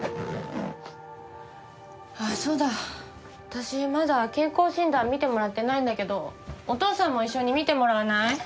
私まだ健康診断見てもらってないんだけどお父さんも一緒に見てもらわない？